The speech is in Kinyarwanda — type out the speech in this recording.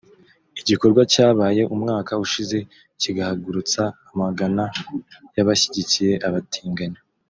igikorwa cyabaye umwaka ushize kigahagurutsa amagana y’abashyigikiye abatinganyi